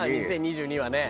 ２０２２はね。